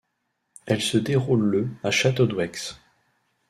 Elles se déroulent le à Château-d'Œx.